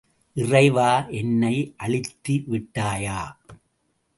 இறைவா என்னை அழித்தி விட்டாயா?